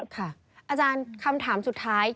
อาจารย์คำถามสุดท้าย